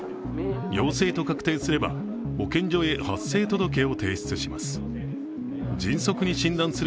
陽性と確定すれば、保健所へ発生届を提出します。